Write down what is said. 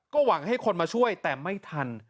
หวังให้คนมาช่วยแต่ไม่ทัน